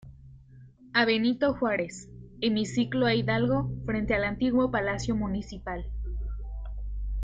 A Benito Juárez; hemiciclo a Hidalgo, frente al antiguo palacio municipal.